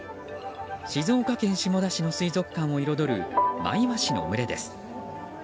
静岡県下田市の水族館を彩るマイワシの群れです。